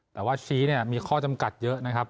แต่ว่าชี้เนี่ยมีข้อจำกัดเยอะนะครับ